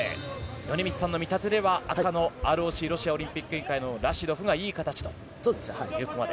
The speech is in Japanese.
米満さんの見立てでは赤のＲＯＣ・ロシアオリンピック委員会のラシドフがいい形というここまで。